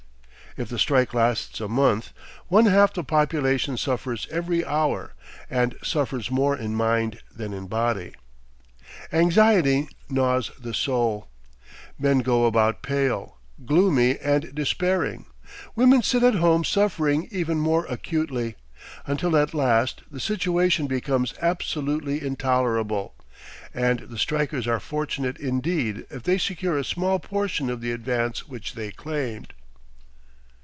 If the strike lasts a month, one half the population suffers every hour, and suffers more in mind than in body. Anxiety gnaws the soul. Men go about pale, gloomy, and despairing; women sit at home suffering even more acutely; until at last the situation becomes absolutely intolerable; and the strikers are fortunate indeed if they secure a small portion of the advance which they claimed.